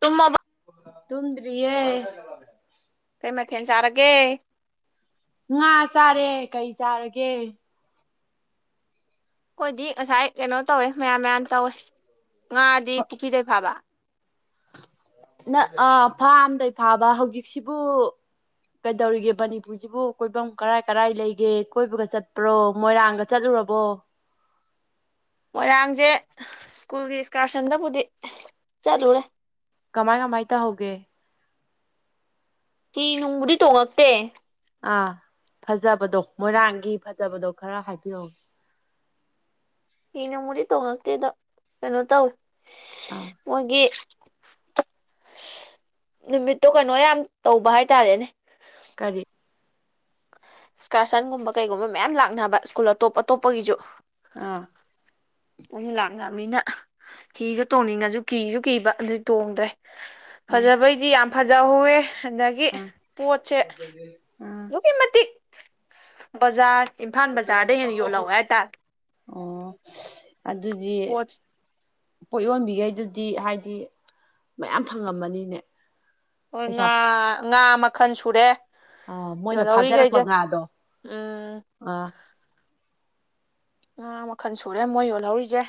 ꯇꯨꯃꯕ ꯇꯨꯝꯗꯔꯤꯌꯦ ꯀꯩ ꯃꯊꯦꯜ ꯆꯥꯔꯒꯦ ꯉꯥ ꯆꯥꯔꯦ ꯀꯩ ꯆꯥꯔꯒꯦ ꯑꯩꯈꯣꯏꯗꯤ ꯉꯁꯥꯏ ꯀꯩꯅꯣ ꯇꯧꯋꯦ ꯃꯌꯥꯟ ꯃꯌꯥꯟ ꯇꯧꯋꯦ ꯉꯥꯗꯤ ꯄꯨꯈ꯭ꯔꯤꯗꯩ ꯐꯥꯕ ꯅ ꯑꯥ ꯐꯥꯝꯗꯩ ꯐꯥꯕ ꯍꯧꯖꯤꯛꯁꯤꯕꯨ ꯀꯩꯗꯧꯔꯤꯒꯦ ꯃꯅꯤꯄꯨꯔ ꯍꯧꯁꯤꯕꯨ ꯀꯣꯏꯐꯝ ꯀꯔꯥꯏ ꯀꯔꯥꯏ ꯂꯩꯒꯦ ꯀꯣꯏꯕꯒ ꯆꯠꯄ꯭ꯔꯣ ꯃꯣꯏꯔꯥꯡꯒ ꯆꯠꯂꯨꯔꯕꯣ ꯃꯣꯏꯔꯥꯡꯖꯦ ꯏꯁꯀꯨꯜꯒꯤ ꯏꯁꯀꯥꯔꯁꯟꯗꯕꯨꯗꯤ ꯆꯠꯂꯨꯔꯦ ꯀꯃꯥꯏ ꯀꯃꯥꯏ ꯇꯧꯍꯧꯒꯦ ꯍꯤ ꯅꯨꯡꯕꯨꯗꯤ ꯇꯣꯡꯉꯛꯇꯦ ꯑꯥ ꯐꯖꯕꯗꯣ ꯃꯣꯏꯔꯥꯡꯒꯤ ꯐꯖꯕꯗꯣ ꯈꯔ ꯍꯥꯏꯕꯤꯔꯛꯑꯣ ꯍꯤ ꯅꯨꯡꯕꯨꯗꯤ ꯇꯣꯡꯉꯛꯇꯦꯗ ꯀꯩꯅꯣ ꯇꯧꯋꯤ ꯑꯥ ꯃꯣꯏꯒꯤ ꯅꯨꯃꯤꯠꯇꯣ ꯀꯩꯅꯣ ꯌꯥꯝ ꯇꯧꯕ ꯍꯥꯏꯇꯥꯔꯦꯅꯦ ꯀꯔꯤ ꯏꯁꯀ꯭ꯔꯁꯟꯒꯨꯝꯕ ꯀꯩꯒꯨꯝꯕ ꯃꯌꯥꯝ ꯂꯥꯛꯅꯕ ꯏꯁꯀꯨꯜ ꯑꯇꯣꯞ ꯑꯇꯣꯞꯄꯒꯤꯁꯨ ꯑꯥ ꯑꯗꯨ ꯂꯥꯛꯅꯕꯅꯤꯅ ꯍꯤꯗꯣ ꯇꯣꯡꯅꯤꯡꯉꯁꯨ ꯀꯤꯁꯨ ꯀꯤꯕ ꯑꯗꯨ ꯇꯣꯡꯗ꯭ꯔꯦ ꯑꯥ ꯐꯖꯕꯩꯗꯤ ꯌꯥꯝ ꯐꯖꯍꯧꯋꯦ ꯍꯟꯗꯛ ꯒꯤ ꯑꯥ ꯄꯣꯠꯁꯦ ꯑꯥ ꯑꯗꯨꯛꯀꯤ ꯃꯇꯤꯛ ꯕꯖꯥꯔ ꯏꯝꯐꯥꯜ ꯕꯖꯥꯔꯗꯩ ꯍꯦꯟꯅ ꯌꯣꯜꯂꯧꯋꯦ ꯍꯥꯏꯇꯥꯔꯦ ꯑꯣ ꯑꯗꯨꯗꯤ ꯄꯣꯠꯁꯦ ꯄꯣꯠ ꯌꯣꯟꯕꯤꯈꯩꯗꯨꯗꯤ ꯍꯥꯏꯗꯤ ꯃꯌꯥꯝ ꯐꯪꯉꯝꯃꯅꯤꯅꯦ ꯍꯣꯏ ꯄꯩꯁꯥ ꯉꯥ ꯉꯥ ꯃꯈꯜ ꯁꯨꯔꯦ ꯑꯥ ꯃꯣꯏꯅ ꯐꯥꯖꯔꯛꯄ ꯌꯣꯜꯍꯧꯔꯤꯈꯩꯁꯦ ꯉꯥꯗꯣ ꯎꯝ ꯑꯥ ꯉꯥ ꯃꯈꯜ ꯁꯨꯔꯦ ꯃꯣꯏ ꯌꯣꯜꯍꯧꯔꯤꯁꯦ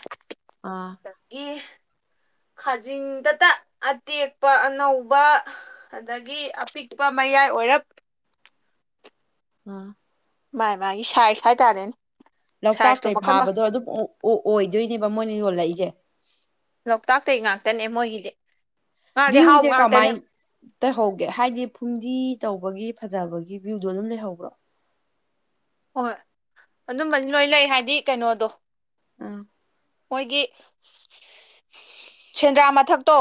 ꯑꯥ ꯑꯦ ꯈꯥꯖꯤꯡꯗꯇ ꯑꯇꯦꯛꯄ ꯑꯅꯧꯕ ꯑꯗꯒꯤ ꯑꯄꯤꯛꯄ ꯃꯌꯥꯏ ꯑꯣꯏꯔꯞ ꯋꯥ [inaudible] ꯃꯥꯥꯏ ꯃꯥꯒꯤ ꯁꯥꯏꯁ ꯍꯥꯏꯇꯥꯔꯦꯅꯦ ꯁꯥꯏꯖꯇꯣ ꯂꯣꯛꯇꯥꯛꯇꯩ ꯃꯈꯜ ꯃꯈꯜ ꯐꯥꯕꯗꯣ ꯑꯗꯨꯝ ꯑꯣꯏꯗꯣꯏꯅꯦꯕ ꯃꯣꯏꯅ ꯌꯣꯜꯂꯛꯏꯁꯦ ꯂꯣꯛꯇꯥꯛꯇꯩꯒꯤ ꯉꯥꯛꯇꯅꯦ ꯃꯣꯏꯒꯤꯗꯤ ꯉꯥꯗꯤ ꯍꯥꯎꯕ ꯉꯥꯛꯇꯅꯦ ꯇꯩꯍꯧꯒꯦ ꯍꯥꯏꯗꯤ ꯐꯨꯝꯗꯤ ꯇꯧꯕꯒꯤ ꯐꯖꯕꯒꯤ ꯚꯨꯏꯗꯣ ꯑꯗꯨꯝ ꯂꯩꯍꯧꯕ꯭ꯔꯣ ꯍꯣꯏ ꯑꯗꯨꯝꯕꯗꯤ ꯂꯣꯏ ꯂꯩ ꯍꯥꯏꯗꯤ ꯀꯩꯅꯣꯗꯣ ꯑꯥ ꯃꯣꯏꯒꯤ ꯁꯦꯟꯗ꯭ꯔꯥ ꯃꯊꯛꯇꯣ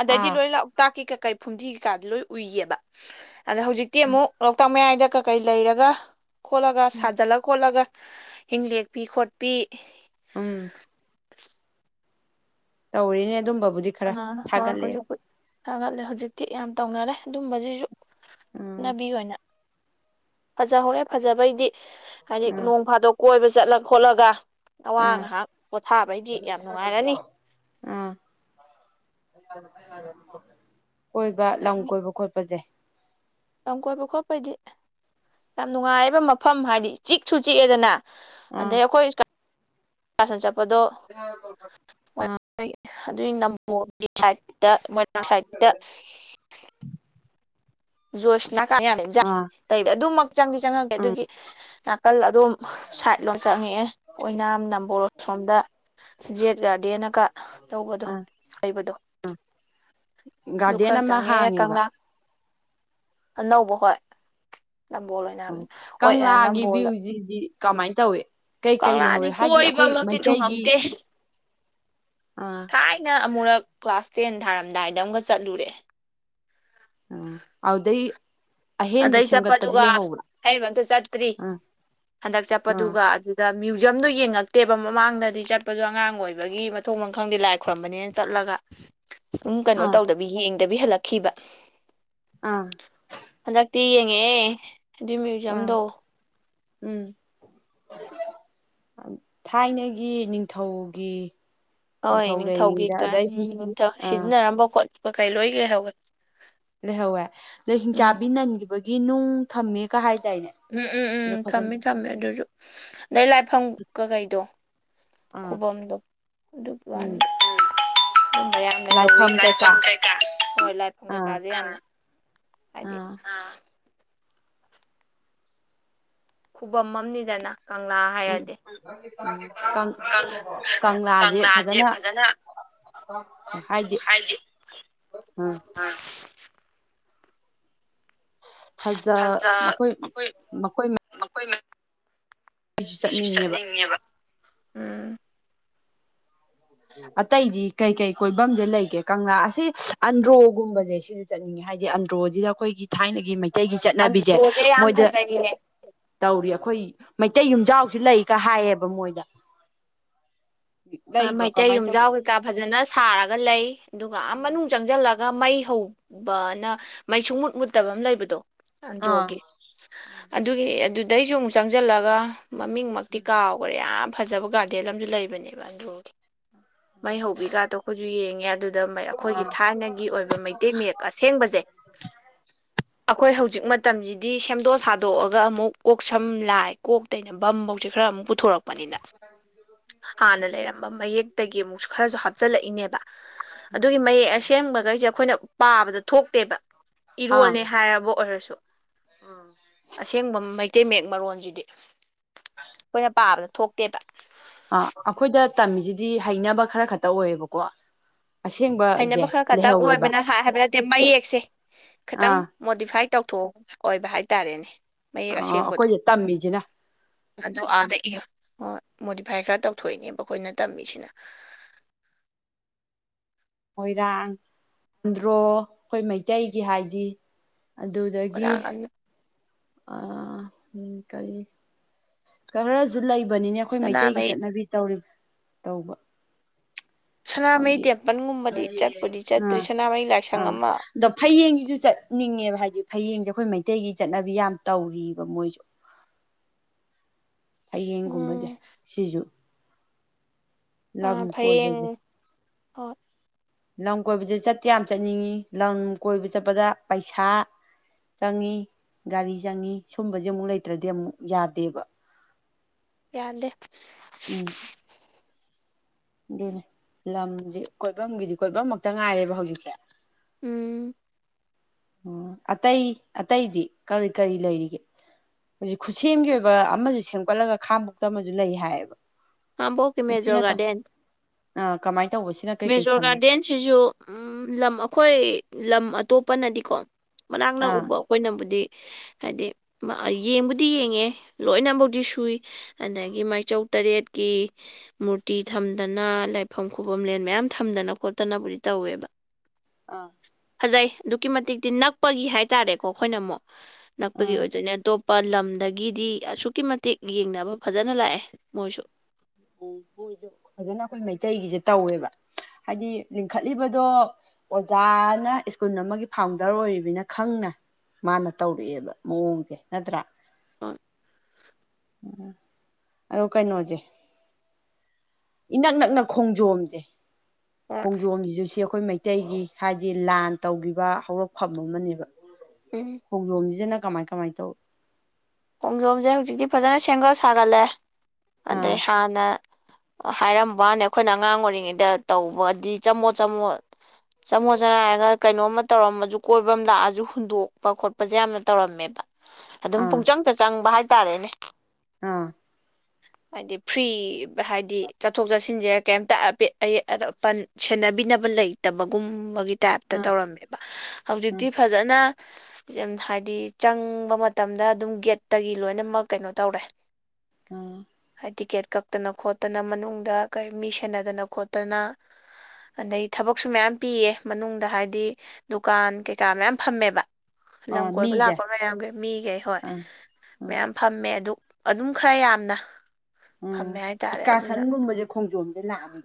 ꯑꯗꯩꯗꯤ ꯑꯥ ꯂꯣꯏ ꯂꯥꯛ ꯂꯣꯛꯇꯥꯛꯀꯤ ꯀꯥꯀꯩ ꯐꯨꯝꯗꯤ ꯀꯩꯀꯥꯗꯤ ꯂꯣꯏ ꯎꯏꯌꯦꯕ ꯑꯗꯣ ꯍꯧꯖꯤꯛꯇꯤ ꯑꯃꯨꯛ ꯂꯣꯛꯇꯥꯛ ꯃꯌꯥꯏꯗ ꯀꯩ ꯂꯩꯔꯒ ꯈꯣꯠꯂꯒ ꯁꯥꯖꯜꯂ ꯈꯣꯠꯂꯒ ꯍꯤꯡ ꯂꯦꯛꯄꯤ ꯈꯣꯠꯄꯤ ꯎꯝ [inaudible] ꯇꯧꯔꯤꯅꯦ ꯑꯗꯨꯝꯕꯕꯨꯗꯤ ꯈꯔ ꯀꯥꯅꯅ ꯊꯥꯒꯠꯂꯛꯑꯦ ꯍꯧꯖꯤꯛꯄꯨ ꯊꯒꯠꯂꯦ ꯍꯧꯖꯤꯛꯇꯤ ꯌꯥꯝ ꯇꯧꯅꯔꯦ ꯑꯗꯨꯨꯝꯕꯁꯤꯁꯨ ꯎꯝ ꯆꯠꯅꯕꯤ ꯑꯣꯏꯅ ꯐꯖꯍꯧꯔꯦ ꯐꯖꯕꯩꯗꯤ ꯍꯥꯏꯗꯤ ꯎꯝ ꯅꯣꯡ ꯐꯥꯗꯣꯛ ꯀꯣꯏꯕ ꯆꯠꯂ ꯈꯣꯠꯂꯒ ꯑꯋꯥ ꯑꯥ ꯉꯥꯏꯍꯥꯛ ꯄꯣꯊꯥꯕꯩꯗꯤ ꯌꯥꯝ ꯅꯨꯡꯉꯥꯏꯔꯅꯤ ꯑꯥ ꯍꯣꯏꯕ ꯂꯝ ꯀꯣꯏꯕ ꯈꯣꯠꯄꯁꯦ ꯂꯝ ꯀꯣꯏꯕ ꯈꯣꯠꯄꯗꯤ ꯌꯥꯝ ꯅꯨꯡꯉꯥꯏꯕ ꯃꯐꯝ ꯍꯥꯏꯗꯤ ꯆꯤꯛꯁꯨ ꯆꯤꯛꯑꯦꯗꯅ ꯑꯥ ꯑꯗꯩ ꯑꯩꯈꯣꯏ ꯏꯁꯀꯥꯔꯁꯟ ꯆꯠꯄꯗꯣ ꯍ ꯍ [inaudible] ꯑꯗꯨꯒꯤ ꯅꯝꯕꯣꯜꯒꯤ ꯁꯥꯏꯠꯇ ꯃꯣꯏꯔꯥꯡ ꯁꯥꯏꯠꯇ ꯖꯣꯏꯁꯅꯥꯀ [inaudible] ꯌꯥꯅꯤ ꯌꯥꯏ ꯑꯥ ꯂꯩꯗ ꯑꯗꯨꯃꯛ ꯆꯪꯗꯤ ꯆꯪꯉꯛꯇꯦ ꯎꯝ ꯑꯗꯨꯒꯤ ꯅꯥꯀꯜ ꯑꯗꯨꯝ ꯁꯥꯏꯠ ꯂꯣꯝ ꯆꯪꯉꯛꯑꯦ ꯑꯣꯏꯅꯥꯝ ꯅꯝꯕꯣꯜ ꯑꯁꯣꯝꯗ ꯖꯦꯠ ꯒꯥꯔꯗꯦꯅꯒ ꯇꯧꯕꯗꯣ ꯂꯩꯕꯗꯣ ꯑꯝ ꯑꯗꯨ ꯒꯥꯔꯗꯦꯟ ꯈꯔ ꯑꯃ ꯆꯪꯉꯦ ꯍꯥꯡꯉꯦꯕ ꯀꯪꯂꯥ ꯑꯅꯧꯕ ꯍꯣꯏ ꯅꯝꯕꯣꯜ ꯑꯣꯏꯅꯥꯝ ꯑꯣ ꯍꯣꯏ ꯀꯪꯂꯥꯒꯤ ꯅꯝꯕꯣꯜꯗ ꯚ꯭ꯌꯨꯁꯤꯗꯤ ꯀꯃꯥꯏꯅ ꯇꯧꯏ ꯀꯩꯀꯩ ꯀꯪꯂꯥꯗꯤ ꯂꯩꯍꯧꯋꯤ ꯍꯥꯏꯗꯤ ꯑꯩꯈꯣꯏ ꯀꯣꯏꯕꯃꯛꯇꯤ ꯃꯩꯇꯩꯒꯤ ꯊꯨꯡꯉꯗꯦ ꯑꯥ ꯊꯥꯏꯅ ꯑꯃꯨꯔꯛ ꯀ꯭ꯂꯥꯁ ꯇꯦꯟ ꯊꯥꯔꯝꯗꯥꯏꯗ ꯑꯃꯨꯛꯀ ꯆꯠꯂꯨꯔꯦ ꯑꯣ ꯑꯗꯨꯗꯩꯩ ꯑꯗꯩ ꯆꯠꯄꯗꯨꯒ ꯍꯔꯤꯕ ꯑꯃꯇ ꯆꯠꯇ꯭ꯔꯤ ꯑꯥ ꯍꯟꯗꯛ ꯑꯥ ꯆꯠꯄꯗꯨꯒ ꯑꯗꯨ ꯑꯗ ꯃ꯭ꯌꯨꯖꯌꯝꯗꯣ ꯌꯦꯡꯉꯛꯇꯦꯕ ꯃꯃꯥꯡꯗꯗꯤ ꯆꯠꯄꯗꯣ ꯑꯉꯥꯡ ꯑꯣꯏꯕꯒꯤ ꯃꯊꯣꯡ ꯃꯈꯪꯗꯤ ꯂꯥꯏ ꯈꯔꯝꯕꯅꯦꯅ ꯆꯠꯂꯒ ꯁꯨꯝ ꯀꯩꯅꯣ ꯑꯥ ꯇꯧꯗꯕꯤ ꯌꯦꯡꯗꯕꯤ ꯍꯜꯂꯛꯈꯤꯕ ꯑꯥ ꯍꯟꯗꯛꯇꯤ ꯌꯦꯡꯉꯛꯦ ꯑꯗꯨꯏ ꯑꯥ ꯃ꯭ꯌꯨꯖꯌꯝꯗꯣ ꯎꯝ ꯊꯥꯏꯅꯒꯤ ꯅꯤꯡꯊꯧꯒꯤ ꯍꯣꯏ ꯅꯤꯡꯊꯧ ꯅꯤꯡꯊꯧꯒꯤ ꯂꯩꯔꯤꯉꯩꯗ ꯑꯗꯩ ꯎꯝ ꯅꯤꯡꯊꯧ ꯑꯥ ꯁꯤꯖꯤꯟꯅꯔꯝꯕ ꯈꯣꯠꯄ ꯀꯩ ꯂꯣꯏ ꯂꯩꯍꯧꯏ ꯂꯩꯍꯧꯋꯦ ꯑꯗꯨ ꯍꯤꯡꯆꯥꯕꯤ ꯅꯟꯈꯤꯕꯒꯤ ꯅꯨꯡ ꯊꯝꯃꯦ ꯀ ꯍꯥꯏꯇꯥꯏꯅꯦ ꯎꯝ ꯎꯝ ꯎꯝ ꯊꯝꯃꯦ ꯊꯝꯃꯦ ꯑꯗꯨꯁꯨ ꯑꯗꯩ ꯂꯥꯏꯐꯝ ꯀꯀꯩꯗꯣ ꯑꯥ ꯈꯨꯨꯕꯝꯗꯣ ꯑꯗꯨꯒꯤ ꯎꯝ ꯋꯥꯅꯤ ꯃꯌꯥꯝ ꯂꯩꯍꯧꯋꯤ ꯂꯥꯏꯐꯝ ꯀꯩꯀꯥ ꯍꯣꯏ ꯂꯥꯏꯐꯝ ꯑꯥ ꯀꯩꯀꯥꯁ ꯌꯥꯝꯅ ꯍꯥꯏꯗꯤ ꯑꯥ ꯑ ꯈꯨꯕꯝ ꯑꯃꯅꯤꯗꯅ ꯀꯪꯂꯥ ꯎꯝ ꯍꯥꯏꯔꯗꯤ ꯎꯝ ꯀꯪꯂꯥꯁꯦ ꯐꯖꯅ ꯍꯥꯏꯗꯤ ꯑ ꯑꯥ ꯐꯖ ꯃꯈꯣꯏ ꯃꯈꯣꯏ ꯃꯈꯣꯏꯁꯨ ꯆꯠꯅꯤꯡꯉꯦꯕ ꯎꯝ ꯑꯇꯩꯗꯤ ꯀꯩ ꯀꯩ ꯀꯣꯏꯐꯝꯗꯤ ꯂꯩꯒꯦ ꯀꯪꯂꯥ ꯑꯁꯤ ꯑꯟꯗ꯭ꯔꯣꯒꯨꯝꯕꯁꯦ ꯁꯤ ꯆꯠꯅꯤꯡꯉꯦ ꯍꯥꯏꯕꯗꯤ ꯑꯟꯗ꯭ꯔꯣꯁꯤꯗ ꯑꯩꯈꯣꯏꯒꯤ ꯊꯥꯏꯅꯒꯤ ꯃꯩꯇꯩꯒꯤ ꯆꯠꯅꯕꯤꯁꯦ ꯑꯟꯗ꯭ꯔꯣꯁꯦ ꯌꯥꯝ ꯃꯣꯏꯗ ꯐꯖꯩꯌꯦ ꯇꯧꯔꯤ ꯑꯩꯈꯣꯏ ꯃꯩꯇꯩ ꯌꯨꯝꯖꯥꯎꯁꯨ ꯂꯩꯒ ꯍꯥꯏꯌꯦꯕ ꯃꯣꯏꯗ ꯂꯩꯩꯕ ꯏꯇꯩ ꯌꯨꯝꯖꯥꯎ ꯀꯩꯀꯥ ꯐꯖꯅ ꯁꯥꯔꯒ ꯂꯩ ꯑꯗꯨꯒ ꯃꯅꯨꯡꯗ ꯆꯪꯁꯤꯜꯂꯒ ꯃꯩ ꯍꯧꯕꯅ ꯃꯩ ꯁꯨꯡ ꯃꯨꯠ ꯃꯨꯠꯇꯕ ꯑꯃ ꯂꯩꯕꯗꯣ ꯑꯥ ꯆꯟꯗ꯭ꯔꯣꯒꯤ ꯑꯗꯨꯒꯤꯅꯤ ꯑꯗꯨꯗꯩꯁꯨ ꯑꯃꯨꯛ ꯆꯪꯁꯤꯜꯂꯒ ꯃꯃꯤꯡ ꯃꯛꯇꯤ ꯀꯥꯎ ꯌꯥꯝ ꯐꯖꯕ ꯒꯥꯔꯗꯦꯟ ꯑꯃꯁꯨ ꯂꯩꯕꯅꯦꯕ ꯑꯟꯗ꯭ꯔꯣꯒꯤ ꯃꯩꯍꯧꯕꯤꯒꯗꯣ ꯑꯩꯈꯣꯏꯁꯨ ꯌꯦꯡꯉꯦ ꯑꯗꯨꯗ ꯑꯩꯈꯣꯏꯒꯤ ꯊꯥꯏꯅꯒꯤ ꯑꯣꯏꯕ ꯃꯩꯇꯩ ꯃꯌꯦꯛ ꯑꯁꯦꯡꯕꯁꯦ [unintelligible] ꯑꯩꯈꯣꯏ ꯍꯧꯖꯤꯛ ꯃꯇꯝꯁꯤꯗꯤ ꯁꯦꯝꯗꯣꯛ ꯁꯥꯗꯣꯛꯑꯒ ꯑꯃꯨꯛ ꯀꯣꯛ ꯁꯝ ꯂꯥꯏ ꯀꯣꯛ ꯑꯩꯅ ꯕꯝꯐꯧꯁꯦ ꯈꯔ ꯑꯃꯨꯛ ꯄꯨꯊꯣꯔꯛꯄꯅꯤꯅ [inaudible] ꯍꯥꯟꯅ ꯂꯩꯔꯝꯕ ꯃꯌꯦꯛꯇꯒꯤ ꯑꯃꯨꯛꯁꯨ ꯈꯔꯁꯨ ꯍꯥꯞꯆꯤꯜꯂꯛꯏꯅꯦꯕ ꯑꯗꯨꯒꯤ ꯃꯌꯦꯛ ꯑꯁꯦꯡꯕꯈꯩꯁꯦ ꯑꯩꯈꯣꯏꯅ ꯄꯥꯕꯗ ꯊꯣꯛꯇꯦꯕ ꯑꯥ ꯏꯔꯣꯜꯅꯦ ꯍꯥꯏꯔꯕ ꯑꯣꯏꯔꯁꯨj ꯑꯁꯦꯡꯕ ꯃꯩꯇꯩ ꯃꯌꯦꯛ ꯃꯔꯣꯟꯁꯤꯗꯤ ꯑꯩꯈꯣꯏꯅ ꯄꯥꯕꯗ ꯊꯣꯛꯇꯦꯕ ꯑ ꯑꯩꯈꯣꯏꯗ ꯇꯝꯃꯤꯁꯤꯗꯤ ꯍꯩꯅꯕ ꯈꯔ ꯈꯛꯇ ꯑꯣꯏꯌꯦꯕꯀꯣ ꯑꯁꯦꯡꯕ ꯍꯩꯅꯕ ꯈꯔ ꯈꯛꯇꯪ ꯑꯣꯏꯕꯅ ꯍꯥꯏ ꯍꯥꯏꯕ ꯅꯠꯇꯦ ꯃꯌꯦꯛꯁꯦ ꯈꯤꯇꯪ ꯑꯥ ꯃꯣꯗꯤꯐꯥꯏ ꯇꯧꯊꯣꯛ ꯑꯣꯏꯕ ꯍꯥꯏꯇꯥꯔꯦꯅꯦ ꯃꯌꯦꯛ ꯑꯁꯦꯡꯕꯗꯣ ꯑꯩꯈꯣꯏꯗ ꯇꯝꯃꯤꯁꯤꯅ ꯑꯗꯣ ꯑꯥꯗ ꯏ ꯍꯣꯏ ꯃꯣꯗꯤꯐꯥꯏ ꯈꯔ ꯇꯧꯊꯣꯛꯏꯅꯦꯕ ꯑꯩꯈꯣꯏꯅ ꯇꯝꯃꯤꯁꯤꯅ ꯃꯣꯏꯔꯥꯡ ꯑꯟꯗ꯭ꯔꯣ ꯑꯩꯈꯣꯏ ꯃꯩꯇꯩꯒꯤ ꯍꯥꯏꯗꯤ ꯑꯗꯨꯗꯒꯤ ꯈꯣꯏꯔꯥꯡ ꯑꯅ ꯀꯔꯤ ꯈꯔꯁꯨ ꯂꯩꯕꯅꯤꯅꯦ ꯑꯩꯈꯣꯏ ꯃꯩꯇꯩꯒꯤ ꯁꯅꯥꯃꯍꯤ ꯆꯠꯅꯕꯤ ꯇꯧ ꯇꯧꯕ ꯁꯅꯥꯃꯍꯤ ꯍꯧꯖꯤꯛ ꯇꯦꯝꯄꯜꯒꯨꯝꯕꯗꯤ ꯆꯠꯄꯨꯗꯤ ꯆꯠꯇ꯭ꯔꯤ ꯑꯥ ꯁꯅꯥꯃꯍꯤ ꯂꯥꯏꯁꯪ ꯑꯥ ꯑꯃ ꯑꯗꯣ ꯐꯌꯦꯡꯁꯤꯁꯨ ꯆꯠꯅꯤꯡꯉꯦꯕ ꯍꯥꯏꯗꯤ ꯐꯌꯦꯡꯁꯦ ꯑꯩꯈꯣꯏ ꯃꯩꯇꯩꯒꯤ ꯆꯠꯅꯕꯤ ꯌꯥꯝ ꯇꯧꯔꯤꯕ ꯃꯣꯏꯁꯨ ꯍꯌꯦꯡꯒꯨꯝꯕꯁꯦ ꯎꯝ ꯁꯤꯁꯨ ꯂꯝ ꯑꯥ ꯐꯌꯦꯡ ꯀꯣꯏꯕꯁꯦ ꯍꯣꯏ ꯂꯝ ꯀꯣꯏꯕꯁꯦ ꯆꯠꯇ ꯌꯥꯝ ꯆꯠꯅꯤꯡꯉꯤ ꯂꯝ ꯀꯣꯏꯕ ꯆꯠꯄꯗ ꯄꯩꯁꯥ ꯆꯪꯉ ꯒꯥꯔꯤ ꯆꯪꯏ ꯁꯨꯝꯕꯁꯦ ꯑꯃꯨꯛ ꯂꯩꯇ꯭ꯔꯗꯤ ꯑꯃꯨꯛ ꯌꯥꯗꯦꯕ ꯌꯥꯗꯦ ꯎꯝ ꯑꯗꯨꯅꯦ ꯂꯝꯗꯤ ꯀꯣꯏꯐꯝꯒꯤꯗꯤ ꯀꯣꯏꯐꯝꯃꯛꯇ ꯉꯥꯏꯔꯦꯕ ꯍꯧꯖꯤꯛꯁꯦ ꯎꯝ ꯑꯣ ꯑꯇꯩ ꯑꯇꯩꯗꯤ ꯀꯔꯤ ꯀꯔꯤ ꯂꯩꯔꯤꯒꯦ ꯍꯧꯖꯤꯛ ꯈꯨꯠꯁꯦꯝꯒꯤ ꯑꯣꯏꯕ ꯑꯃꯁꯨ ꯁꯦꯝꯒꯠꯂꯒ ꯈꯥ ꯃꯛꯇ ꯑꯃꯁꯨ ꯂꯩ ꯍꯥꯏꯌꯦꯕ ꯍꯝꯕꯧ ꯀꯃꯦꯦꯖꯣꯔ ꯒꯥꯗꯦꯟ ꯑ ꯀꯃꯥꯏ ꯃꯦꯖꯣꯔ ꯒꯥꯔꯗꯦꯟꯁꯤꯁꯨ ꯂꯝ ꯑꯩꯈꯣꯏ ꯂꯝ ꯑꯇꯣꯞꯄꯅꯗꯤꯀꯣ ꯃꯅꯥꯛ ꯅꯛ ꯑꯥ ꯎꯕ ꯑꯩꯈꯣꯏꯅꯕꯨꯗꯤ ꯍꯥꯏꯗꯤ ꯌꯦꯡꯕꯨꯗꯤ ꯌꯦꯡꯉꯦ ꯂꯣꯏꯅꯐꯧꯗꯤ ꯁꯨꯏ ꯑꯗꯒꯤ ꯃꯥꯏꯆꯧ ꯇꯔꯦꯠꯀꯤ ꯃꯨꯔꯇꯤ ꯊꯝꯗꯅ ꯂꯥꯏꯐꯝ ꯈꯨꯕꯝ ꯃꯌꯥꯝ ꯊꯝꯗꯅ ꯈꯣꯠꯇꯅꯕꯨꯗꯤ ꯇꯧꯋꯦꯕ ꯑꯥ ꯐꯖꯩ ꯑꯗꯨꯛꯀꯤ ꯃꯇꯤꯛꯇꯤ ꯅꯛꯄꯒꯤ ꯍꯥꯏꯇꯥꯔꯦꯀꯣ ꯑꯩꯈꯣꯏꯅ ꯑꯃꯨꯛ ꯅꯛꯄꯒꯤ ꯑꯥ ꯑꯣꯏꯗꯣꯏꯅꯦ ꯑꯗꯣꯞ ꯂꯝꯗꯒꯤꯗꯤ ꯑꯁꯨꯛꯀꯤ ꯃꯇꯤꯛ ꯌꯦꯡꯅꯕ ꯐꯖꯅ ꯂꯥꯛꯑꯦ ꯃꯣꯏꯁꯨ ꯎꯝ ꯃꯣꯏꯁꯨ ꯐꯖꯅ ꯑꯩꯈꯣꯏ ꯃꯩꯇꯩꯒꯤꯁꯦ ꯇꯧꯋꯦꯕ ꯍꯥꯏꯗꯤ ꯂꯤꯡꯈꯠꯂꯤꯕꯗꯣ ꯑꯣꯖꯥꯅ ꯁ꯭ꯀꯨꯜ ꯑꯃꯒꯤ ꯐꯥꯎꯟꯗꯔ ꯑꯣꯏꯔꯤꯕꯅꯤꯅ ꯈꯪꯅ ꯃꯥꯅ ꯇꯧꯔꯛꯑꯦꯕ ꯃꯑꯣꯡꯁꯦ ꯅꯠꯇ꯭ꯔꯥ ꯑꯣꯏ ꯎꯝ ꯑꯗꯣ ꯀꯩꯅꯣꯁꯦ ꯏꯅꯛ ꯅꯛꯅ ꯈꯣꯡꯖꯣꯝꯁꯦ ꯍꯣꯏ ꯈꯣꯡꯖꯣꯝꯗꯨꯁ ꯑꯩꯈꯣꯏ ꯃꯩꯇꯩ ꯃꯇꯩꯒꯤ ꯍꯥꯏꯗꯤ ꯂꯥꯟ ꯇꯧꯈꯤꯕ ꯍꯧꯔꯛꯐꯝ ꯑꯃꯅꯦꯕ ꯎꯝ ꯈꯣꯡꯖꯣꯝꯁꯤꯅ ꯀꯃꯥꯏ ꯀꯃꯥꯏꯅ ꯇꯧꯏ ꯈꯣꯡꯖꯣꯝꯁꯦ ꯍꯧꯖꯤꯛꯇꯤ ꯐꯖꯅ ꯁꯦꯝꯒꯠ ꯁꯥꯒꯠꯂꯦ ꯑꯥ ꯑꯗꯩ ꯍꯥꯟꯅ ꯍꯥꯏꯔꯝꯕꯅꯦ ꯑꯩꯈꯣꯏꯅ ꯑꯉꯥꯡ ꯑꯣꯏꯔꯤꯉꯩꯗ ꯇꯧꯕꯗꯤ ꯆꯝꯃꯣꯠ ꯆꯝꯃꯣꯠ ꯆꯃꯣꯠ ꯆꯅꯥ ꯍꯥꯏꯔꯒ ꯀꯩꯅꯣꯝꯃ ꯇꯧꯔꯝꯃꯁꯨ ꯀꯣꯏꯕ ꯑꯃ ꯂꯥꯛꯑꯁꯨ ꯍꯨꯟꯗꯣꯛꯄ ꯈꯣꯠꯄꯁꯦ ꯌꯥꯝꯅ ꯇꯧꯔꯝꯃꯦꯕ ꯑꯗꯨꯝ ꯑꯥ ꯄꯨꯡꯆꯪꯗ ꯆꯪꯕ ꯍꯥꯏꯇꯥꯔꯦꯅꯦ ꯑꯥ ꯍꯥꯏꯗꯤ ꯐ꯭ꯔꯤ ꯍꯥꯏꯗꯤ ꯆꯠꯊꯣꯛ ꯆꯠꯁꯤꯟꯁꯦ ꯀꯩꯝꯇ ꯑꯠ ꯑꯌꯦꯠ ꯑꯄ ꯁꯦꯟꯅꯕꯤꯅꯕ ꯂꯩꯇꯕꯒꯨꯝꯕꯒꯤ ꯇꯥꯏꯞꯇ ꯎꯝ ꯇꯧꯔꯝꯃꯦꯕ ꯍꯧꯖꯤꯛꯇꯤ ꯎꯝ ꯐꯖ ꯐꯖꯅ ꯍꯥꯏꯗꯤ ꯆꯪꯕ ꯃꯇꯝꯗ ꯑꯗꯨꯝ ꯒꯦꯠ ꯇꯒꯤ ꯂꯣꯏꯅꯃꯛ ꯀꯩꯅꯣ ꯇꯧꯔꯦ ꯎꯝ ꯇꯤꯀꯦꯠ ꯀꯛꯇꯅ ꯈꯣꯠꯇꯅ ꯃꯅꯨꯡꯗ ꯀ ꯃꯤ ꯁꯦꯟꯅꯗꯅ ꯈꯣꯠꯇꯅ ꯑꯗꯩ ꯊꯕꯛꯁꯨ ꯃꯌꯥꯝ ꯄꯤꯌꯦ ꯃꯅꯨꯡꯗ ꯍꯥꯏꯗꯤ ꯗꯨꯀꯥꯟ ꯀꯩꯀꯥ ꯃꯌꯥꯝ ꯐꯝꯃꯦꯕ ꯂꯝ ꯑ ꯀꯣꯏꯕ ꯃꯤꯁꯦ ꯂꯥꯛꯄ ꯃꯌꯥꯝꯒ ꯃꯤꯒꯩ ꯍꯣꯏ ꯑꯥ ꯎꯝ ꯃꯌꯥꯝ ꯐꯝꯃꯦ ꯑꯗꯨ ꯑꯗꯨꯝ ꯈꯔ ꯌꯥꯝꯅ ꯎꯝ ꯐꯝꯃꯦ ꯍꯥꯏꯇꯥꯔꯦ ꯑꯗꯨꯅ ꯏꯁꯀꯥꯔꯁꯟꯒꯨꯝꯕꯁꯦ ꯈꯣꯡꯖꯣꯝꯁꯦ ꯂꯥꯛꯑꯅꯤ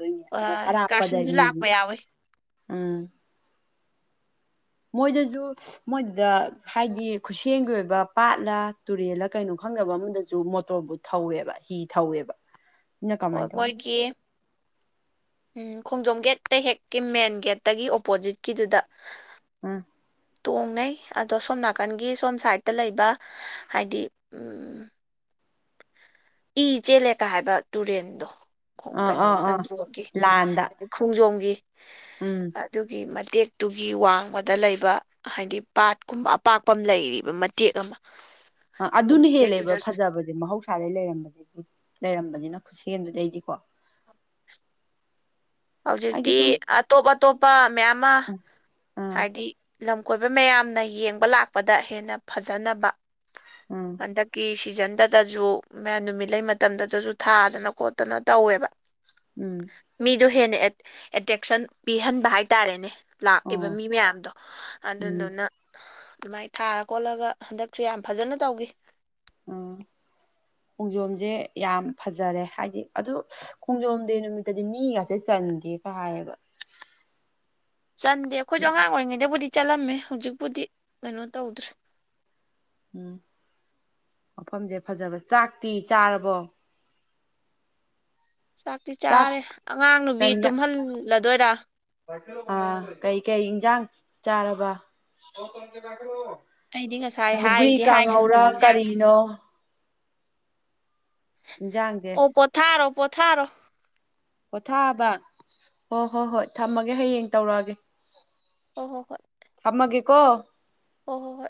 ꯏꯁꯀꯥꯔꯁꯟꯁꯨ ꯂꯥꯛꯄ ꯌꯥꯎꯋꯤ ꯎꯝ ꯃꯣꯏꯗꯁꯨ ꯃꯣꯏꯗꯨꯗ ꯍꯥꯏꯗꯤ ꯈꯨꯠꯁꯦꯝꯒꯤ ꯑꯣꯏꯕ ꯄꯥꯠꯂ ꯇꯨꯔꯦꯜꯂ ꯀꯩꯅꯣ ꯈꯪꯗꯕ ꯑꯃꯗꯁꯨ ꯃꯣꯇꯣꯔꯕꯨꯠ ꯊꯧꯋꯦꯕ ꯍꯤ ꯊꯧꯋꯦꯕ ꯅ ꯀꯃꯥꯏꯅ ꯇꯧꯕ ꯄꯣꯏꯒꯦ ꯎꯝ ꯈꯣꯡꯖꯣꯝ ꯒꯦꯠꯠꯇ ꯍꯦꯛꯀꯤ ꯃꯦꯟ ꯒꯦꯠꯇꯒꯤ ꯑꯣꯄꯣꯖꯤꯠꯀꯤꯗꯨꯗ ꯑꯥ ꯇꯣꯡꯅꯩ ꯑꯗꯣ ꯁꯣꯝ ꯅꯥꯀꯟꯒꯤ ꯁꯣꯝ ꯁꯥꯏꯠꯇ ꯂꯩꯕ ꯍꯥꯏꯗꯤ ꯏ ꯆꯦꯜꯂꯀ ꯍꯥꯏꯕ ꯇꯨꯔꯦꯟꯗꯣ ꯑꯥ ꯑꯥ ꯀꯩꯅꯣꯒꯤ ꯑꯥ ꯑꯟꯗ꯭ꯔꯣꯒꯤ ꯂꯥꯟꯗ ꯈꯣꯡꯖꯣꯝꯒꯤ ꯎꯝ ꯑꯗꯨꯒꯤ ꯃꯇꯦꯛꯇꯨꯒꯤ ꯋꯥꯡꯃꯗ ꯂꯩꯕ ꯍꯥꯏꯗꯤ ꯄꯥꯠꯀꯨꯝꯕ ꯑꯄꯥꯛꯄ ꯑꯃ ꯂꯩꯔꯤꯕ ꯃꯇꯦꯛ ꯑꯃ ꯑꯗꯨ ꯑꯗꯨꯅ ꯍꯦꯜꯂꯦꯕ ꯃꯇꯦꯛꯇꯨꯗꯁꯨ ꯐꯖꯕ ꯑꯗꯩ ꯃꯍꯧꯁꯥꯗꯒꯤꯩ ꯂꯩꯔꯝꯕꯕꯁꯤ ꯂꯩꯔꯝꯝꯕꯕꯁꯤꯅ ꯈꯨꯠꯁꯦꯝꯗꯨ ꯂꯩꯗꯤꯀꯣ [unintelligible] ꯍꯧꯖꯤꯛꯇꯤ ꯑꯩꯁꯦ ꯁꯨꯝ ꯑꯇꯣꯞ ꯑꯇꯣꯞꯄ ꯃꯌꯥꯝ ꯑꯃ ꯑꯥ ꯍꯥꯏꯗꯤ ꯂꯝ ꯀꯣꯏꯕ ꯃꯌꯥꯝꯅ ꯌꯦꯡꯕ ꯂꯥꯛꯄꯗ ꯍꯦꯟꯅ ꯐꯖꯅꯕ ꯎꯝ ꯍꯟꯗꯛꯀꯤ ꯁꯤꯖꯟꯗꯗꯁꯨ ꯃ ꯅꯨꯃꯤꯠ ꯂꯩ ꯃꯇꯝꯗꯇꯁꯨ ꯊꯥꯗꯅ ꯈꯣꯠꯇꯅ ꯇꯧꯋꯦꯕ ꯎꯝ ꯑꯗꯨ ꯍꯦꯟꯅ ꯑꯦꯇ꯭ꯔꯦꯛꯁꯟ ꯄꯤꯍꯟꯕ ꯍꯥꯏꯇꯥꯔꯦꯅꯦ ꯂꯥꯛꯏꯦꯕ ꯑꯣ ꯃꯤ ꯃꯌꯥꯝꯗꯣ ꯎꯝ ꯑꯗꯨꯗꯨꯅ ꯑꯗꯨꯃꯥꯏ ꯊꯥꯔ ꯈꯣꯠꯂꯒ ꯍꯟꯗꯛꯁꯨ ꯌꯥꯝ ꯐꯖꯅ ꯇꯧꯈꯤ ꯑꯥ [unintelligible] ꯈꯣꯡꯖꯣꯝꯁꯦ ꯌꯥꯝ ꯐꯖꯔꯦ ꯍꯥꯏꯗꯤ ꯑꯗꯨ ꯈꯣꯡꯖꯣꯝ ꯗꯦ ꯅꯨꯃꯤꯠꯇꯗꯤ ꯃꯤꯒꯥꯁꯦ ꯆꯟꯗꯦ ꯄꯥꯏꯕ ꯆꯟꯗꯦ ꯑꯩꯈꯣꯏꯁꯨ ꯑꯉꯥꯡ ꯑꯣꯏꯔꯤꯉꯩꯗꯕꯨꯗꯤ ꯆꯠꯂꯝꯃꯦ ꯍꯧꯖꯤꯛꯄꯨꯗꯤ ꯀꯩꯅꯣ ꯇꯧꯗ꯭ꯔꯦ ꯎꯝ ꯃꯐꯝꯁꯦ ꯐꯖꯕ ꯆꯥꯛꯇꯤ ꯆꯥꯔꯕꯣ ꯆꯥꯛꯇꯤ ꯆꯥꯛ ꯆꯥꯔꯦ ꯑꯉꯥꯡ ꯅꯨꯕꯤ ꯀꯩ ꯇꯨꯝꯍꯜꯂꯗꯣꯏꯔꯥ ꯑꯥ ꯀꯩꯀꯩ ꯏꯟꯁꯥꯡ ꯆꯥꯔꯕ ꯑꯩꯗꯤ ꯉꯁꯥꯏ ꯍꯒ꯭ꯔꯤ ꯍꯥꯏꯗꯤ ꯀꯥꯡꯍꯧꯔꯥ ꯍꯥꯏꯈ꯭ꯔꯕꯅꯤ ꯏꯟꯖꯥꯡ ꯀꯔꯤꯅꯣ ꯏꯟꯖꯥꯡꯁꯦ ꯑꯣ ꯄꯊꯥꯔꯣ ꯄꯊꯥꯔ ꯄꯣꯊꯥꯕ ꯍꯣ ꯍꯣꯏ ꯍꯣꯏ ꯊꯝꯃꯒꯦ ꯍꯌꯦꯡ ꯇꯧꯔꯛꯑꯒꯦ ꯍꯣꯏ ꯍꯣ ꯍꯣꯏ ꯑꯃꯒꯀꯣ ꯑꯣ ꯍꯣꯏ ꯍꯣꯏ